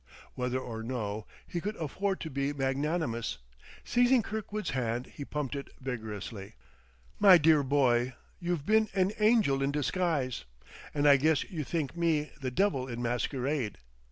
Whether or no, he could afford to be magnanimous. Seizing Kirkwood's hand, he pumped it vigorously. "My dear boy, you've been an angel in disguise! And I guess you think me the devil in masquerade."